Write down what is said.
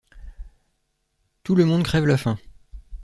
Tout le monde crève la faim.